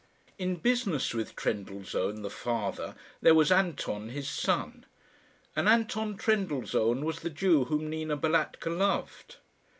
In business with Trendellsohn, the father, there was Anton, his son; and Anton Trendellsohn was the Jew whom Nina Balatka loved.